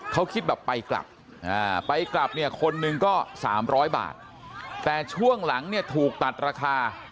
เขาคิดแบบไปกลับไปกลับเนี่ยคนหนึ่งก็๓๐๐บาทแต่ช่วงหลังเนี่ยถูกตัดราคา